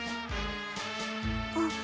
あっ。